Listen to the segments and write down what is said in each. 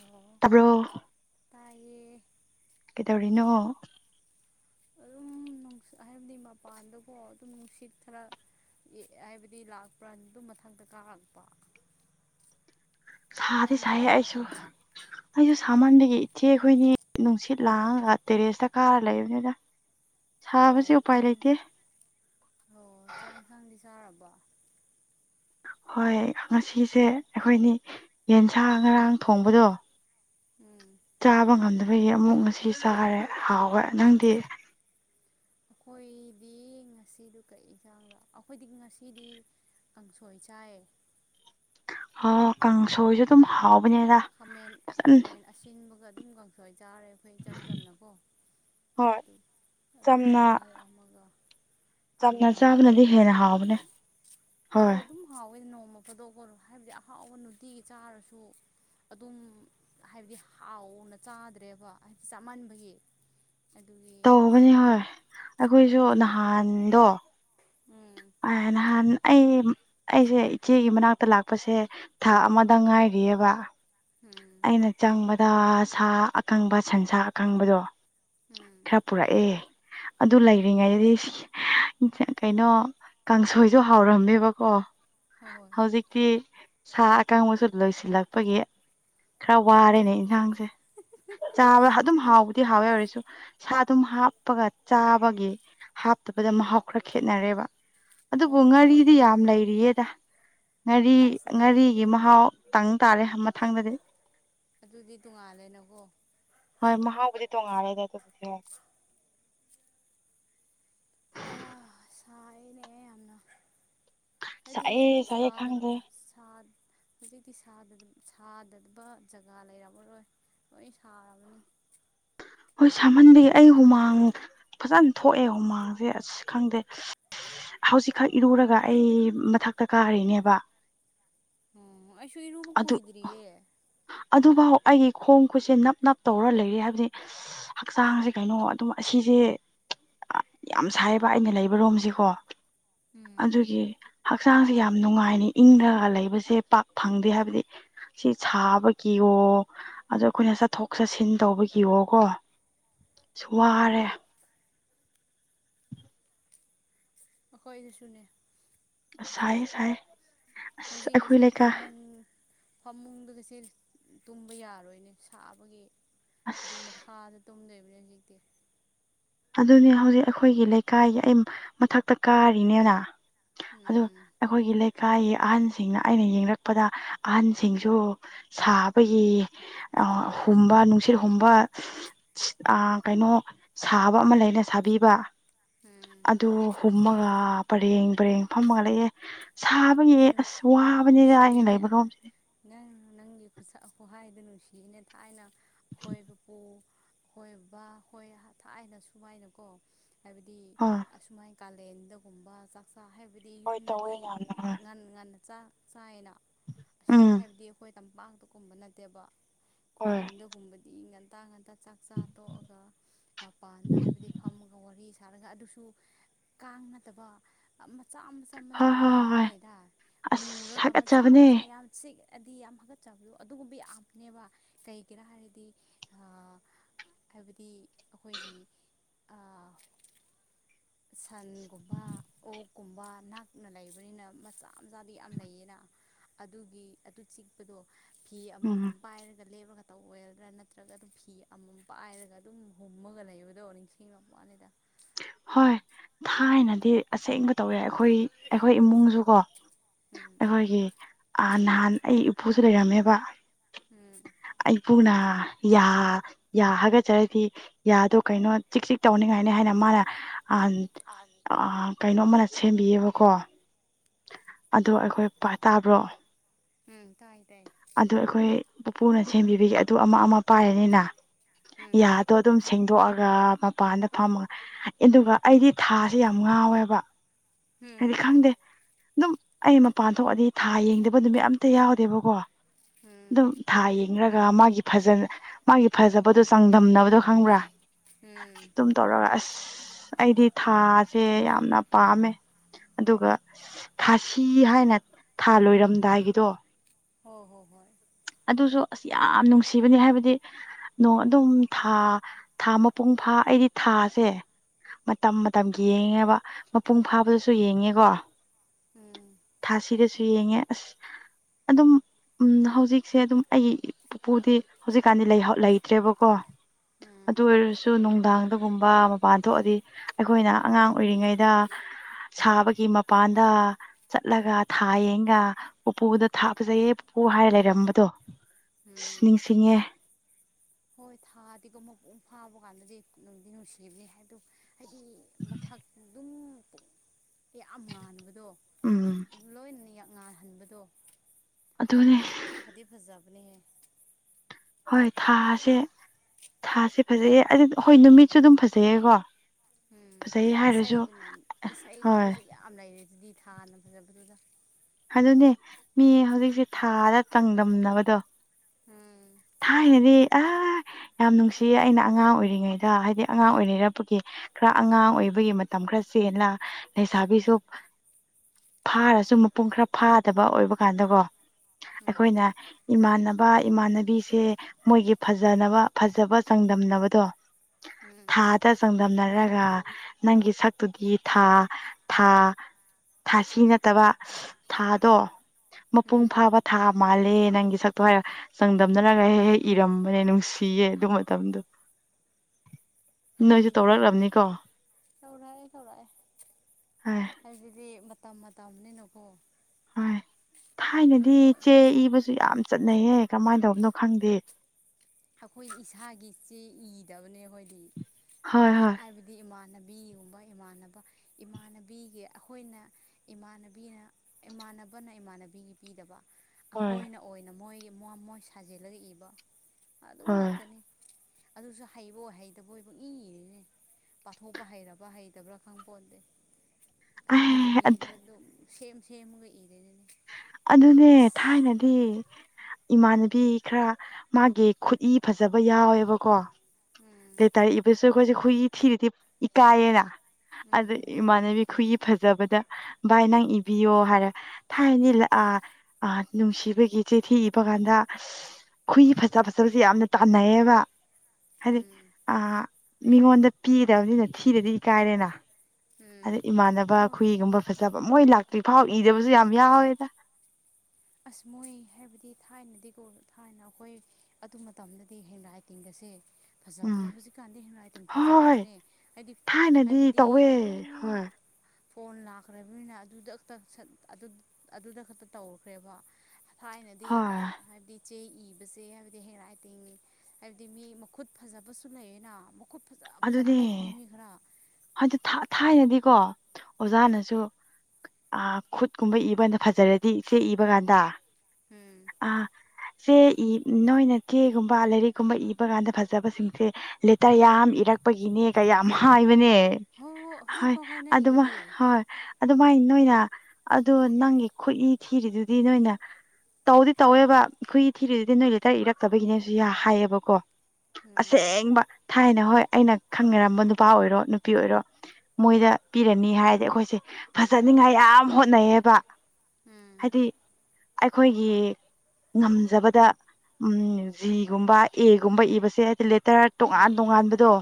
ꯑꯣ ꯇꯥꯕꯔꯣ ꯇꯥꯏꯌꯦ ꯀꯩꯗꯧꯔꯤꯅꯣ ꯑꯗꯨꯝ ꯅꯨꯡ ꯍꯥꯏꯕꯗꯤ ꯃꯄꯥꯟꯗꯀꯣ ꯑꯗꯨꯝ ꯅꯨꯡꯁꯤꯠ ꯈꯔ ꯑꯦ ꯍꯥꯏꯕꯗꯤ ꯂꯥꯛꯄ꯭ꯔꯥ ꯑꯗꯨ ꯃꯊꯪꯇ ꯀꯥꯔꯛꯄ ꯁꯥꯗꯤ ꯅꯪꯗꯤ ꯁꯥꯏꯍꯦ ꯑꯩꯁꯨ ꯑꯩꯁꯨ ꯁꯥꯃꯟꯕꯒꯤ ꯏꯆꯦ ꯑꯩꯈꯣꯏꯅꯤ ꯅꯨꯡꯁꯤꯠ ꯂꯥꯡꯉꯒ ꯇꯦꯔꯦꯁꯇ ꯀꯥꯔ ꯂꯩꯕꯅꯤꯗ ꯁꯥꯕꯁꯦ ꯑꯣ ꯎꯄꯥꯏ ꯆꯥꯛ ꯂꯩꯇꯦ ꯑꯣ ꯆꯥꯛ ꯌꯦꯟꯁꯥꯡꯗꯤ ꯁꯥꯔꯕꯣ ꯍꯣꯏ ꯉꯁꯤꯁꯦ ꯑꯩꯈꯣꯏꯒꯤ ꯌꯦꯟꯁꯥꯡ ꯉꯔꯥꯡ ꯊꯣꯡꯕꯗꯣ ꯎꯝ ꯆꯥꯕ ꯉꯝꯗꯕꯒꯤ ꯑꯃꯨꯛ ꯉꯁꯤ ꯆꯥꯔꯦ ꯍꯥꯎꯋꯦ ꯅꯪꯗꯤ ꯑꯩꯈꯣꯏꯗꯤ ꯉꯁꯤꯗꯨ ꯀꯩ ꯏꯟꯖꯥꯡꯂ ꯑꯩꯈꯣꯏꯗꯤ ꯉꯁꯤꯗꯤ ꯀꯥꯡꯁꯣꯏ ꯆꯥꯏꯌ‌ꯦ ꯑꯣ ꯀꯥꯡꯁꯣꯏꯁꯨ ꯑꯗꯨꯝ ꯍꯥꯎꯕꯅꯦꯗ ꯈꯥꯃꯦꯟ ꯐꯖꯅ ꯈꯥꯃꯦꯟ ꯑꯁꯤꯟꯕꯒ ꯑꯗꯨꯝ ꯀꯥꯡꯁꯣꯏ ꯆꯥꯔꯦ ꯑꯩꯈꯣꯏ ꯏꯆꯝ ꯆꯝꯅꯀꯣ ꯍꯣꯏ ꯑꯗꯨ ꯑꯗꯨ ꯆꯝꯅ ꯀꯥꯡꯍꯧ ꯑꯃꯒ ꯆꯝꯅ ꯀꯥꯔꯣꯠ ꯆꯥꯕꯅꯗꯤ ꯍꯦꯟꯅ ꯍꯥꯎꯕꯅꯦ ꯑꯈꯥꯕꯗꯣ ꯍꯣꯏ ꯑꯗꯨꯝ ꯍꯥꯎꯋꯦ ꯅꯣꯡꯃ ꯐꯗꯣꯛꯀ‌ꯣ ꯍꯥꯏꯕꯗꯤ ꯑꯍꯥꯎꯕ ꯅꯨꯡꯇꯤꯒꯤ ꯆꯥꯔꯁꯨ ꯑꯗꯨꯝ ꯍꯥꯏꯕꯗꯤ ꯍꯥꯎꯅ ꯆꯥꯗ꯭ꯔꯦꯕ ꯍꯥꯏꯗꯤ ꯆꯥꯃꯟꯕꯒꯤ ꯑꯗꯨꯒꯤ ꯇꯧꯕꯅꯦ ꯍꯣꯏ ꯑꯩꯈꯣꯏꯁꯨ ꯅꯍꯥꯟꯗꯣ ꯎꯝ ꯅꯍꯥꯟ ꯑꯩ ꯑꯩꯁꯦ ꯏꯆꯦꯒꯤ ꯃꯅꯥꯛꯇ ꯂꯥꯛꯄꯁꯦ ꯊꯥ ꯑꯃꯗ ꯉꯥꯏꯔꯤꯌ‌ꯦꯕ ꯎꯝ ꯑꯩꯅ ꯆꯪꯕꯗ ꯁꯥ ꯑꯀꯪꯕ ꯁꯟꯁꯥ ꯑꯀꯪꯕꯗꯣ ꯎꯝ ꯈꯔ ꯄꯨꯔꯛꯑꯦ ꯑꯗꯨ ꯂꯩꯔꯤꯉꯩꯗꯗꯤ ꯀꯩꯅꯣ ꯀꯥꯡꯁꯣꯏꯁꯨ ꯍꯥꯎꯔꯝꯃꯦꯕꯀꯣ ꯍꯣꯏ ꯍꯣꯏ ꯍꯧꯖꯤꯛ ꯇꯤ ꯁꯥ ꯑꯀꯪꯕꯁꯨ ꯂꯣꯏꯁꯤꯜꯂꯛꯄꯒꯤ ꯈꯔ ꯋꯥꯔꯦꯅꯦ ꯏꯟꯁꯥꯡꯁꯦ ꯆꯥꯕ ꯑꯗꯨꯝ ꯑꯗꯨ ꯍꯣꯏ ꯍꯥꯎ ꯗꯤ ꯍꯥꯎꯋꯦ ꯑꯣꯏꯔꯁꯨ ꯁꯥ ꯑꯗꯨꯝ ꯍꯥꯞꯄꯒ ꯆꯥꯕꯒꯤ ꯍꯥꯞꯇꯕꯗ ꯃꯍꯥꯎ ꯈꯔ ꯈꯦꯠꯅꯔꯦꯕ ꯑꯗꯨꯕꯨ ꯍꯣꯏ ꯍꯣꯏ ꯉꯥꯔꯤꯗꯤ ꯑꯣꯏꯕꯅꯤ ꯌꯥꯝ ꯑꯣꯏꯕꯅꯤ ꯂꯩꯔꯤꯌꯦꯗ ꯉꯥꯔꯤ ꯑꯁ ꯉꯥꯔꯤ ꯉꯥꯔꯤꯒꯤ ꯃꯍꯥꯎ ꯇꯪ ꯇꯥꯔꯦ ꯃꯊꯪꯗꯗꯤ ꯑꯗꯨꯗꯤ ꯇꯣꯡꯉꯥꯜꯂꯦꯅꯀꯣ ꯍꯣꯏ ꯃꯍꯥꯎꯕꯨꯗꯤ ꯇꯣꯡꯉꯥꯜꯂ‌ꯦ ꯑꯗꯨꯕꯨꯗꯤ ꯑꯌꯥ ꯁꯥꯏꯌ‌ꯦꯅꯦ ꯌꯥꯝꯅ ꯍꯥꯏꯗꯤ ꯁꯥꯏꯑꯦ ꯍꯧꯖꯤꯛꯇꯤ ꯁꯥꯏꯑꯦ ꯁꯥꯗꯕ ꯈꯪꯗꯦ ꯁꯥ ꯍꯧꯖꯤꯛꯇꯤ ꯁꯥꯗꯕ ꯁꯥꯗꯕ ꯖꯒꯥ ꯂꯩꯔꯝꯃꯔꯣꯏ ꯂꯣꯏ ꯁꯥꯔꯝꯃꯅꯤ ꯍꯣꯏ ꯁꯥꯃꯟꯕꯒꯤ ꯑꯩ ꯍꯨꯃꯥꯡ ꯐꯖꯅ ꯊꯣꯛꯑꯦ ꯍꯨꯃꯥꯡꯁꯦ ꯑꯁ ꯈꯪꯗꯦ ꯍꯧꯖꯤꯛꯈꯛ ꯏꯔꯨꯔꯒ ꯑꯩ ꯃꯊꯛꯇ ꯀꯥꯔꯤꯅꯦꯕ ꯎꯝ ꯑꯩꯁꯨ ꯏꯔꯨꯕ ꯑꯗꯨ ꯀꯨꯏꯗ꯭ꯔꯤꯌꯦ ꯑꯗꯨꯐꯥꯎ ꯑꯩꯒꯤ ꯈꯣꯡ ꯈꯨꯠꯁꯦ ꯅꯞ ꯅꯞ ꯇꯧꯔ ꯂꯩꯔꯤ ꯍꯥꯏꯕꯗꯤ ꯍꯛꯆꯥꯡꯁꯦ ꯀꯩꯅꯣ ꯑꯗꯨꯝ ꯑꯁꯤꯁꯦ ꯌꯥꯝ ꯁꯥꯏꯌ‌ꯦꯕ ꯑꯩꯅ ꯂꯩꯕꯔꯣꯝꯁꯤꯀꯣ ꯎꯝ ꯑꯗꯨꯒꯤ ꯍꯛꯆꯥꯡꯁꯦ ꯌꯥꯝ ꯅꯨꯡꯉꯥꯏꯅ ꯏꯪꯔꯒ ꯂꯩꯕꯁꯦ ꯄꯥꯛ ꯐꯪꯗꯦ ꯗ‌ꯦ ꯍꯥꯏꯕꯗꯤ ꯁꯤ ꯁꯥꯕꯒꯤꯌꯣ ꯑꯗꯣ ꯑꯩꯈꯣꯏꯅ ꯆꯠꯊꯣꯛ ꯆꯠꯁꯤꯟ ꯇꯧꯕꯒꯤꯌꯣ ꯀꯣ ꯑꯁ ꯋꯥꯔꯦ ꯎꯝ ꯑꯩꯈꯣꯏ ꯁꯨꯅꯦ ꯑꯁ ꯁꯥꯏꯌ‌ꯦ ꯁꯥꯏꯌ‌ꯦ ꯍꯧꯖꯤꯛ ꯑꯁꯦ ꯐꯃꯨꯡ ꯐꯃꯨꯡꯗꯒꯁꯦ ꯇꯨꯝꯕ ꯌꯥꯔꯣꯏꯅꯦ ꯁꯥꯕꯒꯤ ꯑꯗꯨ ꯑꯁ ꯈꯥꯗ ꯇꯨꯝꯗꯣꯏꯕꯅꯦ ꯍꯧꯖꯤꯛꯇꯤ ꯑꯗꯨꯅꯦ ꯍꯧꯖꯤꯛ ꯑꯩꯈꯣꯏꯒꯤ ꯂꯩꯀꯥꯏꯒꯤ ꯑꯩ ꯃꯊꯛꯇ ꯀꯥꯔꯤꯅꯦꯅ ꯑꯗꯨ ꯎꯝ ꯑꯩꯈꯣꯏꯒꯤ ꯂꯩꯀꯥꯏꯒꯤ ꯑꯍꯟꯁꯤꯡꯅ ꯑꯩꯅ ꯌꯦꯡꯔꯛꯄꯗ ꯑꯍꯟꯁꯤꯡꯁꯨ ꯁꯥꯕꯒꯤ ꯑꯥ ꯍꯨꯝꯕ ꯅꯨꯡꯁꯤꯠ ꯍꯨꯝꯕ꯫ ꯑꯥ ꯀꯩꯅꯣ ꯁꯥꯕ ꯑꯃ ꯂꯩꯅ ꯁꯥꯕꯤꯕ꯫ ꯎꯝ ꯑꯗꯨ ꯍꯨꯝꯃꯒ ꯄꯔꯦꯡ ꯄꯔꯦꯡ ꯐꯝꯃꯒ ꯂꯩꯌ‌ꯦ꯫ ꯁꯥꯕꯒꯤ ꯑꯁ ꯅꯨꯡꯁꯤ ꯋꯥꯕꯅꯤꯗ ꯑꯩꯅ ꯅꯨꯡꯁꯤꯌꯦꯅꯦ ꯂꯩꯕ ꯑꯍꯟ ꯔꯣꯝꯁꯤꯗꯤ꯫ ꯅꯪ ꯅꯪꯒꯤ ꯈꯨꯠꯁ ꯈꯨꯍꯥꯏꯗꯨ ꯅꯨꯡꯁꯤꯌ‌ꯦꯅꯦ ꯊꯥꯏꯅ ꯀ‌ꯣꯏꯕ ꯄꯨ ꯍꯣꯏꯕ ꯍꯣꯏ ꯊꯥꯏꯅ ꯁꯨꯃꯥꯏꯅꯀꯣ ꯍꯥꯏꯕꯗꯤ꯫ ꯍꯣꯏ ꯑꯁꯨꯃꯥꯏ ꯀꯥꯂꯦꯟꯗꯒꯨꯝꯕ ꯆꯥꯛꯆꯥ ꯍꯥꯏꯕꯗꯤ ꯍꯣꯏ ꯇꯧꯋꯦ ꯌꯨꯝꯗꯗꯤ꯫ ꯌꯥꯝꯅ ꯍꯣꯏ ꯉꯟ ꯉꯟꯅꯥ ꯆꯥ ꯆꯥꯌꯦꯅ ꯑꯁꯤ ꯎꯝ ꯍꯥꯏꯕꯗꯤ ꯑꯩꯈꯣꯏ ꯇꯝꯄꯥꯛꯇ ꯀꯨꯝꯕ ꯅꯠꯇꯦꯕ꯫ ꯍꯣꯏ ꯈꯨꯟꯗꯒꯨꯝꯕꯗꯤ ꯉꯟꯇꯥ ꯉꯟꯇ꯫ ꯆꯥꯛ ꯆꯥ ꯇꯣꯛꯑꯒ ꯃꯄꯥꯟꯗ ꯍꯥꯏꯕꯗꯤ ꯐꯝꯃꯒ ꯋꯥꯔꯤ꯫ ꯁꯥꯔꯒ ꯑꯗꯨꯁꯨ ꯀꯥꯡ ꯅꯠꯇꯕ ꯃꯆꯥ ꯃꯆꯥ ꯑꯃ ꯍꯣꯏ ꯑꯗꯨꯝ ꯍꯣꯏ ꯄꯥꯏꯕ ꯑꯃ ꯍꯣꯏ ꯂꯩꯌꯦ꯫ ꯑ ꯑꯁ ꯃꯨꯔꯒ ꯃꯆꯥ ꯍꯥꯒꯠꯆꯕꯅꯦ ꯃꯆꯥ ꯌꯥꯏ ꯌꯥꯝꯆꯤꯛ ꯍꯥꯏꯗꯤ ꯌꯥꯝ ꯍꯥꯒꯠꯆꯕꯗꯣ ꯑꯗꯨꯒꯨꯝꯕ ꯉꯥꯛꯇꯥꯅꯦꯕ ꯀꯩꯒꯤꯔ ꯍꯥꯏꯔꯗꯤ꯫ ꯑꯥ ꯍꯥꯏꯕꯗꯤ ꯑꯩꯈꯣꯏꯒꯤ ꯑꯥ꯫ ꯁꯟꯒꯨꯝꯕ ꯑꯣꯛ꯫ ꯀꯨꯝꯕ ꯅꯥꯛꯅ ꯂꯩꯕꯅꯤꯅ ꯃꯆꯥ ꯃꯆꯥꯗꯤ ꯌꯥꯝ ꯂꯩꯌꯦꯅ꯫ ꯑꯗꯨꯒꯤ ꯑꯗꯨ ꯆꯤꯛꯄꯗꯣ ꯐꯤ ꯎꯝ ꯑꯃꯃꯝ꯫ ꯄꯥꯏꯔꯒ ꯂꯦꯞꯄꯒ ꯇꯧ ꯑꯣꯏꯒꯗ꯭ꯔꯥ ꯅꯠꯇ꯭ꯔꯒ ꯑꯗꯨꯝ ꯐꯤ ꯑꯃꯃꯝ ꯄꯥꯏꯔꯒ ꯑꯗꯨꯝ ꯍꯨꯝꯃꯒ ꯂꯩꯕꯗꯧ ꯅꯤꯡ [unintelligible] ꯍꯣꯏ ꯊꯥꯏꯅꯗꯤ ꯑꯁꯦꯡꯕ ꯇꯧꯋꯦ ꯑꯩꯈꯣꯏ ꯑꯩꯈꯣꯏ ꯏꯃꯨꯡꯁꯨ ꯀꯣ꯫ ꯎꯝ ꯑꯩꯈꯣꯏꯒꯤ ꯑꯥ ꯅꯍꯥꯟ ꯑꯩ ꯏꯄꯨꯁꯨ ꯂꯩꯔꯝꯃꯦꯕ꯫ ꯎꯝ꯫ ꯑꯩꯕꯨꯅ ꯌꯥ ꯌꯥ ꯍꯥꯒꯠꯆꯔꯗꯤ꯫ ꯌꯥꯗꯣ ꯀꯩꯅꯣ ꯆꯤꯛ ꯆꯤꯛ ꯇꯧꯅꯤꯡꯉꯥꯏꯅꯤ ꯍꯥꯏꯅ ꯃꯥꯅ ꯑꯝ꯫ ꯍꯥꯏꯌꯦ꯫ ꯀꯩꯅꯣꯝꯃꯅ ꯁꯦꯝꯕꯤꯌꯦꯕꯀꯣ ꯑꯗꯣ ꯑꯩꯈꯣꯏ ꯄꯥ ꯇꯥꯕ꯭ꯔꯣ꯫ ꯎꯝ ꯇꯥꯏꯌꯦ ꯇꯥꯏꯌꯦ꯫ ꯑꯗꯨ ꯑꯩꯈꯣꯏ ꯄꯨꯄꯨꯅ ꯁꯦꯝꯕꯤꯕꯒꯤ ꯑꯗꯨ ꯑꯃ ꯑꯃ ꯄꯥꯏꯔꯅꯤꯅ꯫ ꯎꯝ ꯌꯥꯗꯣ ꯑꯗꯨꯝ ꯁꯦꯡꯗꯣꯛꯑꯒ ꯃꯄꯥꯟꯗ꯫ ꯐꯝꯃꯒ ꯑꯗꯨꯒ ꯑꯩꯗꯤ ꯊꯥꯁꯦ ꯌꯥꯝ ꯉꯥꯎꯋꯦꯕ꯫ ꯍꯥꯏꯗꯤ ꯎꯝ ꯈꯪꯗꯦ ꯑꯗꯨꯝ ꯑꯩ ꯃꯄꯥꯟ ꯊꯣꯛꯑꯗꯤ ꯊꯥ ꯌꯦꯡꯗꯕ ꯅꯨꯃꯤꯠ ꯑꯝꯇ ꯌꯥꯎꯗꯦꯕꯀꯣ꯫ ꯎꯝ ꯑꯗꯨꯝ ꯊꯥꯌꯦ꯫ ꯈꯪꯔꯒ ꯃꯥꯒꯤ ꯐꯖ ꯃꯥꯒꯤ ꯐꯖꯕꯗꯣ ꯆꯥꯡꯗꯝꯅꯕꯗꯣ ꯈꯪꯕ꯭ꯔꯥ꯫ ꯎꯝ꯫ ꯑꯗꯨꯝ ꯇꯧꯔꯒ ꯑꯁ ꯑꯩꯗꯤ ꯊꯥꯁꯦ ꯌꯥꯝꯅ ꯄꯥꯝꯃꯦ꯫ ꯑꯗꯨꯒ ꯊꯥꯁꯤ ꯍꯥꯏꯅ ꯊꯥ ꯂꯣꯏꯔꯝꯗꯥꯏꯒꯤꯗꯣ꯫ ꯍꯣ ꯍꯣ ꯍꯣꯏ꯫ ꯑꯗꯨꯁꯨ ꯑꯁ ꯌꯥꯝ ꯅꯨꯡꯁꯤꯕꯅꯤ ꯍꯥꯏꯕꯗꯤ꯫ ꯅꯣꯡ ꯑꯗꯨꯝ ꯊꯥ ꯊꯥ ꯃꯄꯨꯡ ꯐꯥ ꯑꯩꯗꯤ ꯊꯥꯁꯦ꯫ ꯃꯇꯝ ꯃꯇꯝꯒꯤ ꯌꯦꯡꯉꯦꯕ ꯃꯄꯨꯡ ꯐꯥꯕꯗꯁꯨ ꯌꯦꯡꯉꯦꯀꯣ꯫ ꯎꯝ ꯊꯥꯁꯤꯗꯁꯨ ꯌꯦꯡꯉꯦ ꯑꯁ ꯑꯗꯨꯝ ꯎꯝ ꯍꯧꯖꯤꯛ꯫ ꯁꯦ ꯑꯗꯨꯝ ꯑꯩꯒꯤ ꯄꯨꯄꯨꯗꯤ ꯍꯧꯖꯤꯛꯀꯥꯟꯗꯤ ꯂꯩꯇ꯭ꯔꯦꯕꯀꯣ꯫ ꯑꯗꯨ ꯎꯝ ꯑꯣꯏꯔꯁꯨ ꯅꯨꯡꯗꯥꯡꯗꯒꯨꯝꯕ ꯃꯄꯥꯟ ꯊꯣꯛꯑꯗꯤ꯫ ꯑꯩꯈꯣꯏꯅ ꯑꯉꯥꯡ ꯑꯣꯏꯔꯤꯉꯩꯗ ꯁꯥꯕꯒꯤ ꯃꯄꯥꯟꯗ꯫ ꯆꯠꯂꯒ ꯊꯥ ꯌꯦꯡꯒ ꯄꯨꯄꯨꯗ ꯊꯥ ꯐꯖꯩꯌꯦ ꯄꯨꯄꯨ ꯍꯥꯏꯔ ꯂꯩꯔꯝꯕ ꯗꯣ ꯑꯁ ꯎꯝ ꯅꯤꯡꯁꯤꯡꯉꯦ꯫ ꯍꯣꯏ ꯊꯥꯗꯤꯒ ꯃꯄꯨꯡ ꯐꯥꯕ ꯀꯥꯟꯗꯗꯤ ꯅꯨꯡꯗꯤ ꯅꯨꯡꯁꯤꯕꯅꯤ ꯍꯥꯏꯗꯨ꯫ ꯍꯥꯏꯗꯤ ꯃꯊꯥꯛ ꯑꯗꯨꯝ ꯌꯥꯝ ꯉꯥꯟꯕꯗꯣ ꯎꯝ ꯑꯗꯨ ꯂꯣꯏꯅ ꯌꯥꯝ ꯉꯥꯍꯟꯕꯗꯣ꯫ ꯑꯗꯨ ꯑꯗꯨꯅꯦ ꯐꯗꯤ ꯐꯖꯕꯅꯦꯍꯦ꯫ ꯍꯣꯏ ꯊꯥꯁꯦ ꯊꯥꯁꯦ ꯐꯖꯩꯌꯦ ꯑꯗꯨ ꯍꯣꯏ ꯅꯨꯃꯤꯠꯁꯨ ꯑꯗꯨꯝ ꯐꯖꯩꯌꯦꯀꯣ ꯎꯝ ꯐꯖꯩ ꯍꯥꯏꯔꯁꯨ ꯏꯁꯩꯒꯨꯝ ꯍꯣꯏ ꯏꯁꯩꯒꯨꯝꯕꯁꯨ ꯌꯥꯝ ꯂꯩꯔꯦ ꯑꯗꯨꯗꯤ ꯊꯥꯅ ꯐꯖ ꯐꯖꯖ ꯑꯗꯨꯅꯦ ꯃꯤ ꯍꯧꯖꯤꯛꯁꯦ ꯊꯥꯗ ꯆꯥꯡꯗꯝꯅꯕꯗꯣ ꯎꯝ ꯊꯥꯏꯅꯗꯤ ꯑ ꯌꯥꯝ ꯅꯨꯡꯁꯤꯌꯦ ꯑꯩꯅ ꯑꯉꯥꯡ ꯑꯣꯏꯔꯤꯉꯩꯗ ꯍꯥꯏꯗꯤ ꯑꯉꯥꯡ ꯑꯣꯏꯔꯤꯩꯔꯛꯄꯒꯤ ꯈꯔ ꯑꯉꯥꯡ ꯑꯣꯏꯕꯒꯤ ꯃꯇꯝ ꯈꯔ ꯆꯦꯜꯂ ꯂꯩꯁꯥꯕꯤꯁꯨ ꯐꯥꯔꯁꯨ ꯃꯄꯨꯡ ꯈꯔ ꯐꯥꯗꯕ ꯑꯣꯏꯕ ꯀꯥꯟꯗꯀꯣ ꯎꯝ ꯑꯩꯈꯣꯏꯅ ꯏꯃꯥꯟꯅꯕ ꯏꯃꯥꯟꯅꯕꯤ ꯆ‌ꯦ ꯃꯣꯏꯒꯤ ꯐꯖꯅꯕ ꯐꯖꯕ ꯆꯥꯡꯗꯝꯅꯕꯗꯣ ꯎꯝ ꯊꯥꯗ ꯆꯥꯡꯗꯝꯅꯔꯒ ꯅꯪꯒꯤ ꯁꯛꯇꯨꯗꯤ ꯊꯥ ꯊꯥ ꯊꯥꯁꯤ ꯅꯠꯇꯕ ꯊꯥꯗꯣ ꯃꯄꯨꯡ ꯎꯝ ꯐꯥꯕ ꯊꯥ ꯃꯥꯜꯂꯦ ꯅꯪꯒꯤ ꯁꯛꯇꯣ ꯍꯥꯏꯔꯣ ꯆꯪꯗꯝ ꯊꯝꯅꯔꯒ ꯍꯦꯛ ꯍꯦꯛ ꯏꯔꯝꯕꯅꯦ ꯅꯨꯡꯁꯤꯌꯦ ꯑꯗꯨ ꯃꯇꯝꯗꯣ ꯅꯣꯏꯁꯨ ꯍꯩꯔꯦꯅꯦ ꯇꯧꯔꯛꯂꯕꯅꯤꯀꯣ ꯇꯧꯔꯛꯑꯦ ꯇꯧꯔꯛꯑꯦ ꯍꯣꯏ ꯍꯥꯏꯁꯤꯗꯤ ꯃꯇꯝ ꯃꯇꯝꯅꯤꯅꯀꯣ ꯍꯣꯏ ꯑꯗꯨꯝ ꯊꯥꯏꯅꯗꯤ ꯂꯣꯏ ꯆꯦ ꯏꯕꯁꯨ ꯌꯥꯝ ꯆꯠꯅꯩꯌꯦ ꯀꯃꯥꯏꯅ ꯇꯧꯕꯅꯣ ꯈꯪꯗꯦ ꯑꯩꯈꯣꯏ ꯏꯁꯥꯒꯤ ꯆꯦ ꯏꯗꯕꯅꯦ ꯑꯩꯈ‌ꫭꯏꯗꯤ ꯍꯣꯏ ꯍꯣꯏ ꯍꯥꯏꯕꯗꯤ ꯏꯃꯥꯟꯅꯕꯤꯒꯨꯝꯕ ꯏꯃꯥꯟꯅꯕ ꯏꯃꯥꯟꯅꯕꯤꯒꯤ ꯑꯩꯈꯣꯏꯅ ꯏꯃꯥꯟꯅꯕꯤꯅ ꯏꯃꯥꯟꯅꯕꯅ ꯏꯃꯥꯟꯅꯕꯤꯒꯤ ꯄꯤꯗꯕ ꯍꯣꯏ ꯑꯩꯈꯣꯏꯅ ꯑꯣꯏꯅ ꯃꯣꯏ ꯃꯣꯏ ꯁꯥꯖꯤꯜꯂꯒ ꯏꯕ ꯑꯗꯨ ꯍꯣꯏ ꯉꯥꯛꯛꯇꯅꯦ ꯑꯗꯨꯁꯨ ꯍꯩꯕ ꯑꯣꯏ ꯍꯩꯇꯕꯣꯏ ꯄꯨꯡꯏ ꯏꯔꯤꯅꯦ ꯄꯥꯊꯣꯛꯄ ꯍꯩꯔꯕ꯭ꯔꯥ ꯍꯩꯇꯕ꯭ꯔꯥ ꯈꯪ ꯄꯣꯟꯇ‌ꯦ ꯑꯦ ꯈꯥꯡꯗꯕꯤꯗ ꯑꯗꯨꯝ ꯁꯦꯝ ꯁꯦꯝꯃꯒ ꯏꯔꯤꯅꯤꯅꯦ ꯑꯗꯨꯅꯦ ꯑꯁ ꯊꯥꯏꯅꯗꯤ ꯏꯃꯥꯟꯅꯕꯤ ꯈꯔ ꯃꯥꯒꯤ ꯈꯨꯠꯏ ꯐꯖꯕ ꯌꯥꯎꯌ‌ꯦꯕꯀꯣ ꯎꯝ ꯂ‌ꯦꯇ꯭ꯔ ꯏꯕꯁꯨ ꯑꯩꯈꯣꯏꯁꯦ ꯈꯨꯠꯏ ꯊꯤꯔꯗꯤ ꯏꯀꯥꯏꯌꯦꯅ ꯑꯗ ꯎꯝ ꯏꯃꯥꯟꯅꯕꯤ ꯈꯨꯒꯤ ꯐꯖꯕꯗ ꯕꯥꯥꯏꯅꯪ ꯏꯕꯤꯌꯣ ꯍꯥꯏ ꯊꯥꯏꯅꯤ ꯑ ꯅꯨꯡꯁꯤꯕꯒꯤ ꯆꯤꯊꯤ ꯏꯕ ꯀꯥꯟꯗ ꯈꯨꯏ ꯐꯖ ꯐꯖꯕꯁꯦ ꯌꯥꯝꯅ ꯇꯥꯟꯅꯩꯌꯦꯕ ꯎꯝ ꯑ ꯃꯤꯉꯣꯟꯗ ꯄꯤꯗꯕꯅꯤꯅ ꯊꯤꯔꯗꯤ ꯏꯀꯥꯏꯔꯦꯅ ꯎꯝ ꯑꯗꯩ ꯏꯃꯥꯟꯅꯕ ꯍꯣꯏ ꯈꯨꯨꯏꯒꯨꯝꯕ ꯐꯖꯕ ꯃꯣꯏ ꯂꯥꯛꯇ꯭ꯔꯤ ꯐꯥꯎ ꯏꯗꯕꯁꯨ ꯌꯥꯝ ꯌꯥꯎꯌ‌ꯦꯗꯥ ꯑꯁ ꯃꯣꯏ ꯍꯥꯏꯕꯗꯤ ꯊꯥꯏꯅꯗꯤꯀꯣ ꯊꯥꯏꯅ ꯑꯩꯈꯣꯏ ꯑꯗꯨ ꯃꯇꯝꯗꯗꯤ ꯍꯦꯟ ꯔꯥꯏꯇꯤꯡꯒ ꯁꯦ ꯐꯖꯕꯅꯦ ꯎꯝ ꯍꯧꯖꯤꯛꯀꯥꯟꯗꯤ ꯍꯦꯟ ꯔꯥꯏꯇꯤꯡ ꯍꯣꯏ ꯍꯣꯏ ꯐꯖꯗ꯭ꯔꯕꯅꯦ ꯍꯥꯏꯗꯤ ꯊꯥꯏꯅꯗꯤ ꯍꯥꯏꯕꯗꯤ ꯇꯧꯋꯦ ꯑꯗꯨꯝ ꯍꯣꯏ ꯐꯣꯟ ꯂꯥꯛꯈ꯭ꯔꯕꯅꯤꯅ ꯑꯗꯨꯗ ꯈꯛꯇ ꯑꯗꯨꯗ ꯈꯛꯇ ꯇꯧꯈ꯭ꯔꯦꯕ ꯊꯥꯏꯅꯗꯤ ꯍꯣꯏ ꯍꯥꯏꯕꯗꯤ ꯆꯦ ꯏꯕꯁꯦ ꯍꯥꯏꯕꯗꯤ ꯍꯦꯟ ꯔꯥꯏꯇꯤꯡ ꯍꯥꯏꯕꯗꯤ ꯃꯤ ꯃꯈꯨꯠ ꯐꯖꯕꯁꯨ ꯂꯩꯌꯦꯅ ꯀꯠ ꯐꯖ ꯐꯖꯕ ꯑꯗꯨꯅꯦ ꯂꯩꯕꯅꯤ ꯃꯤ ꯈꯔꯥ ꯍꯥꯏꯗꯤ ꯊꯥꯏ ꯊꯥꯏꯅꯗꯤꯀꯣ ꯑꯣꯖꯥꯅꯁꯨ ꯑ ꯈꯨꯠꯀꯨꯝꯕ ꯏꯕꯥꯗ ꯐꯖꯔꯗꯤ ꯏꯆꯦ ꯏꯕꯀꯥꯟꯗ ꯎꯝ ꯆꯦ ꯏ ꯅꯣꯏꯅ ꯆꯦꯒꯨꯝꯕ ꯂꯥꯏꯔꯤꯛꯀꯨꯝꯕ ꯏꯕ ꯀꯥꯟꯗ ꯐꯖꯕꯁꯤꯡꯁꯦ ꯂꯦꯇꯔ ꯌꯥꯝ ꯏꯔꯛꯄꯒꯤꯅꯦꯒ ꯌꯥꯝ ꯍꯥꯏꯕꯅꯦ ꯍꯣ ꯍꯣ ꯍꯣꯏ ꯍꯧꯖꯤꯛꯐꯥꯎ ꯑꯗꯨꯝ ꯍꯥꯏꯅꯩꯗꯨꯗꯤ ꯍꯣꯏ ꯑꯗꯨꯃꯥꯏꯅ ꯅꯣꯏꯅ ꯑꯗꯨꯣ ꯅꯪꯒꯤ ꯈꯨꯠꯏ ꯊꯤꯔꯤꯗꯨꯗꯤ ꯅꯣꯏꯅ ꯇꯧꯗꯤ ꯇꯧꯋꯦꯕ ꯈꯨꯠꯏ ꯊꯤꯔꯤꯗꯨꯗꯤ ꯅꯣꯏ ꯂꯩꯇꯔ ꯏꯔꯛꯇꯕꯒꯤꯅꯦꯁꯤ ꯍꯥꯏꯌꯦꯕꯀꯣ ꯎꯝ ꯑꯁꯦꯡꯕ ꯊꯥꯏꯅ ꯍꯣꯏ ꯑꯩꯅ ꯈꯪꯅꯔꯝꯕ ꯅꯨꯄꯥ ꯑꯣꯏꯔꯣ ꯅꯨꯄꯤ ꯑꯣꯏꯔꯣ ꯃꯣꯏꯗ ꯄꯤꯔꯅꯤ ꯍꯥꯏꯔꯗꯤ ꯑꯩꯈꯣꯏꯁꯦ ꯐꯖꯅꯤꯉꯥꯏ ꯌꯥꯝ ꯍꯣꯠꯅꯩꯌꯦꯕ ꯎꯝ ꯍꯥꯏꯗꯤ ꯑꯩꯈꯣꯏꯒꯤ ꯉꯝꯖꯕꯗ ꯎꯝ ꯖꯤꯒꯨꯝꯕ ꯑꯦꯒꯨꯝꯕ ꯏꯕꯁꯦ ꯍꯥꯏꯗꯤ ꯂꯦꯇꯔ ꯇꯣꯉꯥꯟ ꯎꯝ ꯇꯣꯉꯥꯟꯕꯗꯣ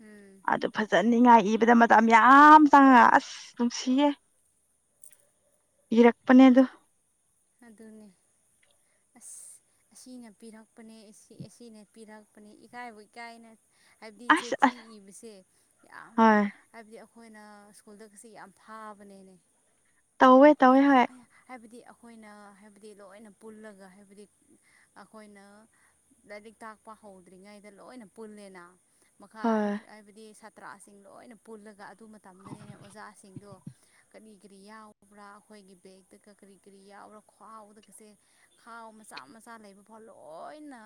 ꯎꯝ ꯑꯗꯨ ꯐꯖꯅꯤꯡ ꯉꯥꯏ ꯏꯕꯗ ꯃꯇꯝ ꯌꯥꯝ ꯆꯪꯑꯥ ꯑꯁ ꯅꯨꯡꯁꯤꯌꯦ ꯏꯔꯛꯄꯅꯦ ꯑꯗꯨ ꯑꯗꯨꯅꯦ ꯑꯁ ꯑꯁꯤꯅ ꯄꯤꯔꯛꯄꯅꯦ ꯑꯁꯤꯅ ꯄꯤꯔꯛꯄꯅꯦ ꯏꯀꯥꯏꯕꯨ ꯏꯀꯥꯏꯅ ꯍꯥꯏꯕꯗꯤ ꯑꯁ ꯆꯩꯊꯤ ꯑꯁ ꯏꯕꯁꯦ ꯌꯥꯝ ꯍꯣꯏ ꯍꯥꯏꯕꯗꯤ ꯑꯩꯈꯣꯏꯅ ꯁ꯭ꯀꯨꯜꯗꯒꯁꯤ ꯌꯥꯝ ꯐꯥꯕꯅꯦꯅꯦ ꯇꯧꯋꯦ ꯇꯧꯋꯦ ꯍꯣꯏ ꯍꯥꯏꯕꯗꯤ ꯑꯩꯈꯣꯏꯅ ꯍꯥꯏꯕꯗꯤ ꯂꯣꯏꯅ ꯄꯨꯜꯂꯒ ꯍꯥꯏꯕꯗꯤ ꯑꯩꯈꯣꯏꯅ ꯂꯥꯏꯔꯤꯛ ꯇꯥꯛꯄ ꯍꯧꯗ꯭ꯔꯤꯉꯩꯗ ꯂꯣꯏꯅ ꯄꯨꯜꯂꯦꯅ ꯃꯈꯥ ꯍꯣꯏ ꯍꯥꯏꯕꯗꯤ ꯄ ꯇ꯭ꯔꯥꯁꯤꯡ ꯂꯣꯏꯅ ꯄꯨꯜꯂꯒ ꯑꯗꯨ ꯃꯇꯝꯗꯅꯤꯅꯦ ꯑꯣꯖꯥꯁꯤꯡꯗꯣ ꯀꯔꯤ ꯀꯔꯤ ꯌꯥꯎꯕ꯭ꯔꯥ ꯑꯩꯈꯣꯏꯒꯤ ꯕꯦꯒꯛꯇꯒ ꯀꯔꯤ ꯀꯔꯤ ꯌꯥꯎꯕ꯭ꯔꯥ ꯈ꯭ꯋꯥꯥꯎꯗꯒꯁꯦ ꯈꯥꯎ ꯃꯆꯥ ꯃꯆꯥ ꯂꯩꯕ ꯐꯥꯎ ꯂꯣꯏꯅ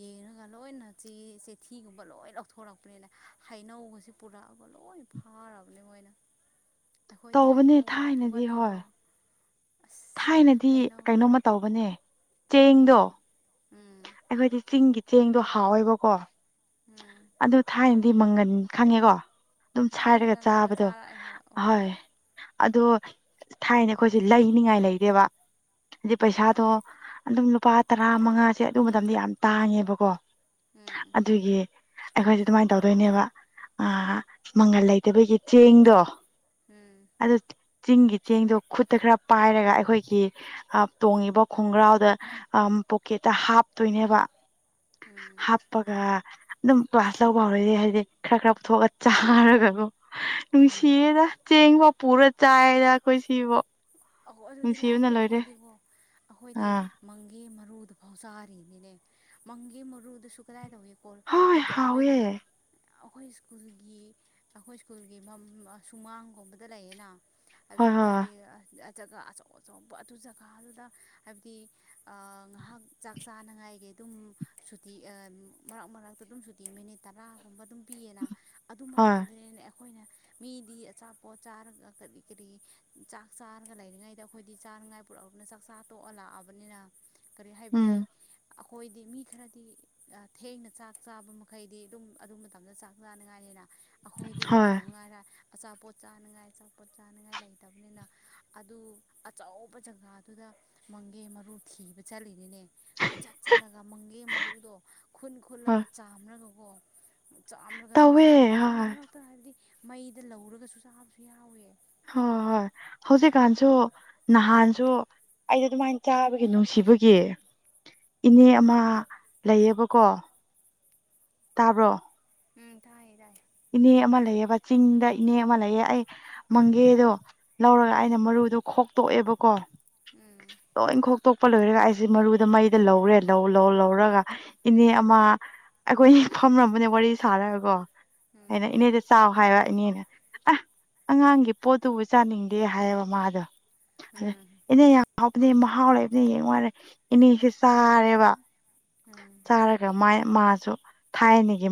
ꯌꯦꯡꯉꯒ ꯂꯣꯏꯅ ꯆꯦ ꯊꯤꯒꯨꯝꯕ ꯂꯣꯏ ꯂꯧꯊꯣꯔꯛꯄꯅꯤꯅ ꯍꯩꯅꯧꯒꯁꯤꯦ ꯄꯨꯔꯛꯑꯕ ꯂꯣꯏ ꯐꯥꯔꯕꯅꯤ ꯃꯣꯏꯅ ꯑꯩꯈꯣꯏꯗꯤ ꯇꯧꯕꯅꯦ ꯍꯩꯅꯧꯒꯨꯝꯕ ꯊꯥꯏꯅꯗꯤ ꯄꯨꯒꯜꯂꯦꯕ ꯍꯣꯏ ꯑꯁ ꯊꯥꯏꯅꯗꯤ ꯍꯩꯅꯧ ꯀꯩꯅꯣꯝꯃ ꯇꯧꯕꯅꯦ ꯆꯦꯡꯗꯣ ꯍꯣꯏ ꯎꯝ ꯑꯩꯈꯣꯏꯗꯤ ꯆꯤꯡꯒꯤ ꯆꯦꯡꯗꯣ ꯍꯥꯎꯋꯦꯕꯀꯣ ꯎꯝ ꯑꯗꯨ ꯊꯥꯏꯅꯗꯤ ꯃꯪꯒꯟ ꯈꯪꯉꯦꯀꯣ ꯑꯗꯨꯝ ꯈꯪꯉꯦ ꯁꯥꯏꯔꯒ ꯈꯪꯉꯦ ꯑꯩꯈꯣꯏ ꯆꯥꯕꯗꯣ ꯆꯥꯔꯛꯑꯦ ꯍꯣꯏ ꯍꯣꯏ ꯑꯣꯏ ꯑꯗꯣ ꯊꯥꯏꯅꯦ ꯑꯩꯈꯣꯏꯁꯦ ꯂꯩꯅꯤꯡꯉꯥꯏ ꯂꯩꯗꯦꯕ ꯍꯥꯏꯗꯤ ꯍꯣꯏ ꯄꯩꯁꯥꯗꯣ ꯑꯗꯨꯝ ꯂꯨꯄꯥ ꯇꯔꯥ ꯃꯉꯥꯁꯦ ꯑꯗꯨ ꯃꯇꯝꯗ ꯌꯥꯝ ꯇꯥꯡꯉꯦꯕꯀꯣ ꯎꯝ ꯑꯗꯨꯒꯤ ꯑꯩꯈꯣꯏꯁꯦ ꯑꯗꯨꯃꯥꯏꯅ ꯇꯧꯗꯣꯏꯅꯦꯕ ꯃꯪꯒꯜ ꯂꯩꯇꯕꯒꯤ ꯆꯦꯡꯗꯣ ꯎꯝ ꯑꯗ ꯆꯤꯡꯒꯤ ꯆꯦꯡꯗꯣ ꯈꯨꯠꯇ ꯈꯔ ꯄꯥꯏꯔꯒ ꯑꯩꯈꯣꯏꯒꯤ ꯇꯣꯡꯉꯤꯕ ꯈꯣꯡꯒ꯭ꯔꯥꯎꯗ ꯄꯣꯀꯦꯠꯇ ꯍꯥꯞꯇꯣꯏꯅꯦꯕ ꯎꯝ ꯀꯞꯄꯒ ꯑꯗꯨꯝ ꯀ꯭ꯂꯥꯁ ꯂꯧꯕ ꯍꯧꯔꯗꯤ ꯍꯥꯏꯗꯤ ꯈꯔ ꯈꯔ ꯄꯨꯊꯣꯛꯑꯒ ꯆꯥꯔꯒ ꯎꯝ ꯅꯨꯡꯁꯤꯌꯦꯗ ꯆꯦꯡꯕ ꯄꯨꯔ ꯆꯥꯏꯌꯦꯗ ꯑꯩꯈꯣꯏ ꯁꯤꯕꯣ ꯑꯗꯨꯗꯤ ꯂꯥꯏꯗꯤ ꯑꯩꯈꯣꯏꯗꯤꯀꯣ ꯑꯩꯈꯣꯏꯗꯤ ꯑꯥ ꯃꯪꯒꯦ ꯃꯔꯨꯗꯨ ꯐꯥꯎ ꯆꯥꯔꯤꯅꯤꯅꯦ ꯃꯪꯒꯦ ꯃꯔꯨꯗꯨꯁꯨ ꯀꯗꯥꯏ ꯇꯧꯏꯤ ꯍꯣꯏ ꯍꯥꯏꯕꯗꯤ ꯍꯥꯎꯋꯦ ꯑꯩꯈꯣꯏꯒꯤ ꯑꯩꯈꯣꯏ ꯁ꯭ꯀꯨꯜꯒꯤ ꯑꯩꯈꯣꯏ ꯁ꯭ꯀꯨꯜꯒꯤ ꯁꯨꯃꯥꯡꯒꯨꯝꯕꯗ ꯂꯩꯌꯦꯅ ꯑꯗꯨꯗꯣ ꯍꯣꯏ ꯍꯣꯏ ꯑꯩꯈꯣꯏꯒꯤ ꯖꯒꯥ ꯑꯆꯧ ꯑꯆꯧꯕ ꯑꯗꯨ ꯖꯒꯥꯗꯨꯗ ꯍꯥꯏꯕꯗꯤ ꯉꯥꯏꯍꯥꯛ ꯆꯥꯛ ꯆꯥꯅꯉꯥꯏꯒꯤ ꯑꯗꯨꯝ ꯁꯨꯇꯤ ꯃꯔꯛ ꯃꯔꯛꯇ ꯑꯗꯨꯝ ꯁꯨꯇꯤ ꯃꯤꯅꯤꯠ ꯇꯔꯥꯒꯨꯝꯕ ꯑꯗꯨꯝ ꯄꯤꯌꯦꯅ ꯑꯗꯨ ꯍꯣꯏ ꯃꯇꯝꯗꯅꯦ ꯑꯩꯈꯣꯏꯅ ꯃꯤꯗꯤ ꯑꯆꯥꯄꯣꯠ ꯆꯥꯔꯒ ꯀꯔꯤ ꯀꯔꯤ ꯆꯥꯛ ꯆꯥꯔꯒ ꯂꯩꯔꯤꯉꯩꯗ ꯑꯩꯈꯣꯏꯗꯤ ꯆꯥꯅꯉꯥꯏ ꯄꯨꯔꯛꯑꯕꯅꯤꯅ ꯆꯥꯛ ꯆꯥ ꯇꯣꯛꯑ ꯂꯥꯛꯑꯕꯅꯤꯅ ꯀꯔꯤ ꯍꯥꯏꯕꯗꯤ ꯎꯝ ꯑꯩꯈꯣꯏꯗꯤ ꯃꯤ ꯈꯔꯗꯤ ꯊꯦꯡꯅ ꯆꯥꯛ ꯆꯥꯕ ꯃꯈꯩꯗꯤ ꯑꯗꯨꯝ ꯑꯗꯨ ꯃꯇꯝꯗ ꯆꯥꯛ ꯆꯥꯅꯉꯥꯏꯅꯤꯅ ꯑꯩꯈꯣꯏꯗꯤ ꯀꯔꯤ ꯍꯣꯏ ꯇꯧꯅꯉꯥꯏꯔ ꯑꯆꯥꯄꯣꯠ ꯆꯥꯅꯉꯥꯏ ꯄꯣꯠ ꯆꯥꯅꯤꯡꯉꯥꯏ ꯂꯩꯇꯕꯅꯤꯅ ꯑꯗꯨ ꯑꯆꯧꯕ ꯖꯒꯥꯗꯨꯗ ꯃꯪꯒꯦ ꯃꯔꯨ ꯊꯤꯕ ꯆꯠꯂꯤꯅꯤꯅꯦ ꯀꯣꯏ ꯆꯠ ꯆꯠꯂꯒ ꯃꯪꯒꯦ ꯃꯔꯨꯗꯣ ꯈꯨꯟ ꯍꯣꯏ ꯈꯨꯜꯂꯒ ꯆꯥꯝꯔꯒꯀꯣ ꯆꯥꯝꯂꯒ ꯑꯗꯨꯝ ꯇꯧꯋꯦ ꯆꯥꯔꯤꯅꯦ ꯃꯔꯛ ꯍꯣꯏ ꯃꯔꯛꯇ ꯍꯥꯏꯕꯗꯤ ꯃꯩꯗ ꯂꯧꯔꯒꯁꯨ ꯆꯥꯕꯁꯨ ꯌꯥꯎꯋꯦ ꯍꯣꯏ ꯍꯣꯏ ꯍꯧꯖꯤꯛꯀꯥꯟꯁꯨ ꯅꯍꯥꯟꯁꯨ ꯑꯩꯗꯤ ꯑꯗꯨꯃꯥꯏꯅ ꯆꯥꯕꯒꯤ ꯅꯨꯡꯁꯤꯕꯒꯤ ꯏꯅꯦ ꯑꯃ ꯂꯩꯌꯦꯕꯀꯣ ꯇꯥꯕ꯭ꯔꯣ ꯎꯝ ꯇꯥꯏꯌꯦ ꯇꯥꯏ ꯏꯅꯦ ꯑꯃ ꯂꯩꯌꯦꯕ ꯆꯤꯡꯗ ꯏꯅꯦ ꯑꯃ ꯂꯩꯌꯦ ꯑꯩ ꯃꯪꯒꯦꯗꯣ ꯂꯧꯔꯒ ꯎꯝ ꯑꯩꯅ ꯃꯔꯨꯗꯣ ꯈꯣꯛꯇꯣꯛꯑꯦꯕꯀꯣ ꯎꯝ ꯂꯣꯏ ꯈꯣꯛꯇꯣꯛꯄ ꯂꯣꯏꯔꯒ ꯑꯩꯁꯦ ꯃꯔꯨꯗ ꯃꯩꯗ ꯂꯧꯔꯦ ꯂꯧ ꯂꯧ ꯂꯧꯔꯒ ꯏꯅꯦ ꯑꯃ ꯑꯩꯈꯣꯏꯅꯤ ꯐꯝꯔꯝꯕꯅꯦ ꯋꯥꯔꯤ ꯁꯥꯔꯒꯀꯣ ꯎꯝ ꯑꯩꯅ ꯏꯅꯦꯗ ꯆꯥꯎ ꯍꯥꯏꯕ ꯏꯅꯦꯅ ꯑꯁ ꯑꯉꯥꯡꯒꯤ ꯄꯣꯠꯇꯨꯕꯨ ꯆꯥꯅꯤꯡꯗꯦ ꯍꯥꯏꯌꯦꯕ ꯃꯥꯗꯣ ꯎꯝ ꯏꯅꯦ ꯌꯥꯝ ꯍꯥꯎꯕꯅꯦ ꯃꯍꯥꯎ ꯂꯩꯕꯅꯦ ꯌꯦꯡꯉꯣꯔꯦ ꯏꯅꯦꯁꯦ ꯆꯥꯔꯦꯕ ꯎꯝ ꯆꯥꯔꯒ ꯃꯥꯁꯨ ꯊꯥꯏꯅꯒꯤ